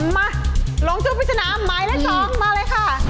มาลองสู้พริษณะหมายละสองมาเลยค่ะ